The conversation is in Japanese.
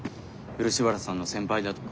漆原さんの先輩だとか。